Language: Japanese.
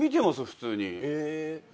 普通に。